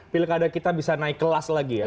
pilih kada kita bisa naik kelas lagi ya